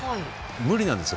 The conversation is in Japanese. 無理なんですよ